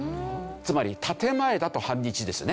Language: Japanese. つまり建前だと反日ですね。